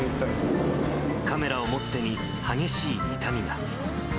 カメラを持つ手に激しい痛みが。